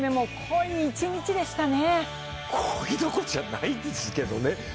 濃いどころじゃないですけどね。